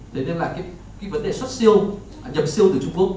đấy nên là cái vấn đề xuất siêu nhập siêu từ trung quốc